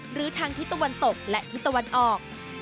หรือทางทิศตะวันตกและทิศตะวันออก